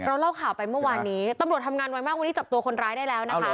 เล่าข่าวไปเมื่อวานนี้ตำรวจทำงานไวมากวันนี้จับตัวคนร้ายได้แล้วนะคะ